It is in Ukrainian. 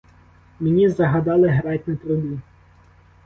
Мені загадали грать на трубі.